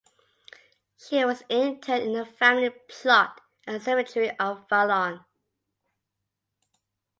She was interred in the family plot at the cemetery in Fallon.